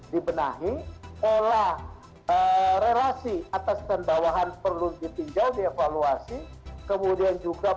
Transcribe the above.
dibenahi pola relasi atas tendawahan perlu dipinjau dievaluasi kemudian juga